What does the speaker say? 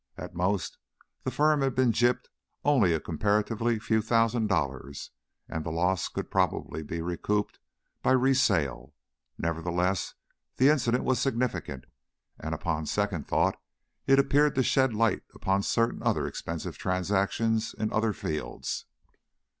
At most, the firm had been "gypped" only a comparatively few thousand dollars, and the loss could probably be recouped by a resale; nevertheless, the incident was significant, and, upon second thought, it appeared to shed light upon certain other expensive transactions in other fields.